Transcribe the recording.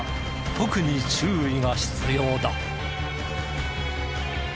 特に注意が必要だ。